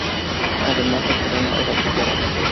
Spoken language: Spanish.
Además, el terreno era de tierra.